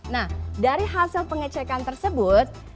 nah dari hasil pengecekan tersebut